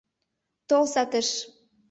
— Толза тыш.